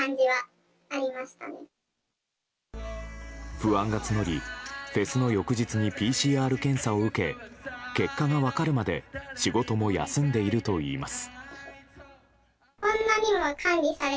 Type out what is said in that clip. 不安が募りフェスの翌日にＰＣＲ検査を受け結果が分かるまで仕事も休んでいるといいます。